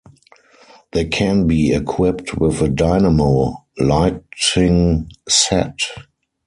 They can be equipped with a dynamo lighting set.